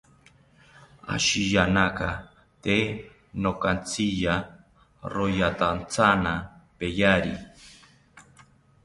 Ashiyanaka tee nokatziya, royatatyana peyari